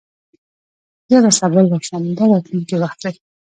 زه به سبا لاړ شم – دا راتلونکی وخت دی.